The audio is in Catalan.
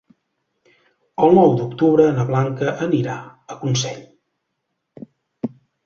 El nou d'octubre na Blanca anirà a Consell.